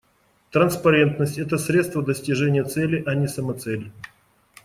Транспарентность — это средство достижения цели, а не самоцель.